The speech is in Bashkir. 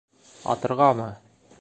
Атырғамы?